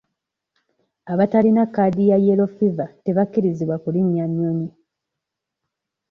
Abatalina kaadi ya yellow fever tebakkirizibwa kulinnya nnyonyi.